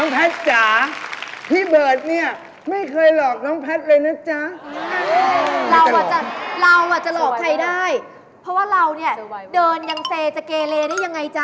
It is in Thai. เพราะว่าเราเนี่ยเดินอย่างเศรษฐ์จะเกรเลได้ยังไงจ๊ะ